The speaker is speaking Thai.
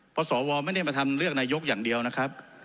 เพราะสวไม่ได้มาทำเลือกนายกอย่างเดียวนะครับ